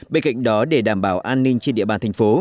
bên cạnh đó để đảm bảo an ninh trên địa bàn thành phố